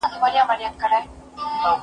مور د ماشوم د لوبو خوندي اصول ښيي.